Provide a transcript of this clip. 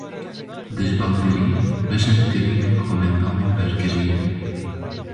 Dijbakterî beşek giring ên komendamên bergiriyê ne.